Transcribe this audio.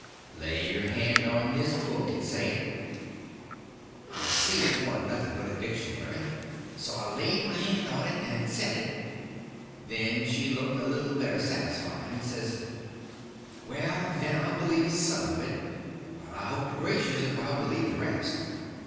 "Lay your hand on this book and say it." I see it warn't nothing but a dictionary, so I laid my hand on it and said it. So then she looked a little better satisfied, and says: "Well, then, I'll believe some of it; but I hope to gracious if I'll believe the rest."